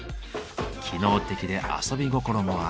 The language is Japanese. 機能的で遊び心もある。